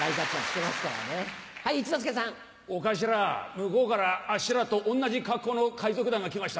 向こうからあっしらと同じ格好の海賊団が来ました。